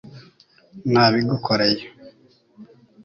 nabigukoreye